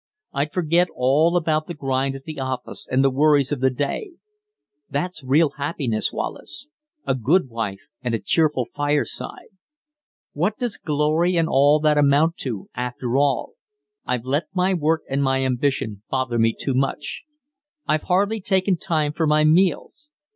I'd forget all about the grind at the office and the worries of the day. That's real happiness, Wallace a good wife and a cheerful fireside. What does glory and all that amount to, after all? I've let my work and my ambition bother me too much. I've hardly taken time for my meals.